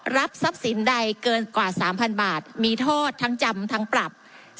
ทรัพย์สินใดเกินกว่า๓๐๐บาทมีโทษทั้งจำทั้งปรับ